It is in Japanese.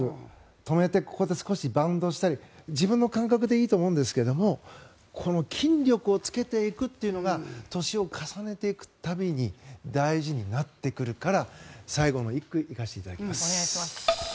止めてここで少しバウンドしたり自分の感覚でいいと思うんですがこの筋力をつけていくというのが年を重ねていく度に大事になってくるから最後の一句行かせていただきます。